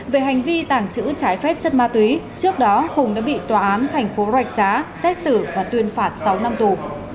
về hành vi tàng trữ trái phép chất ma túy trước đó hùng đã bị tòa án thành phố rạch giá xét xử và tuyên phạt sáu năm tù